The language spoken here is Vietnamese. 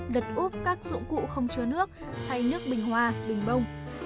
lật úp các dụng cụ không chứa nước thay nước bình hoa bình bông